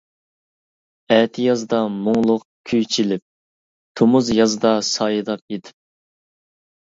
ئەتىيازدا مۇڭلۇق كۈي چېلىپ، تومۇز يازدا سايىداپ يېتىپ.